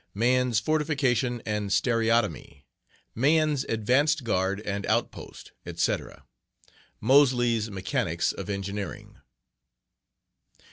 Mahan's Fortification and Stereotomy. Mahan's Advanced Guard and Outpost, etc. *Moseley's Mechanics of Engineering.